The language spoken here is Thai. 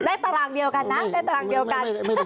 ตารางเดียวกันนะได้ตารางเดียวกัน